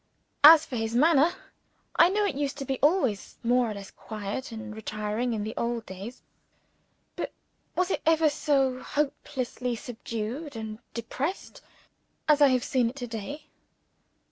As for his manner, I know it used to be always more or less quiet and retiring in the old days: but was it ever so hopelessly subdued and depressed, as I have seen it to day?